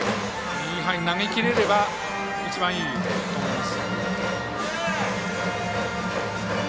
インハイに投げ切れれば一番いいと思います。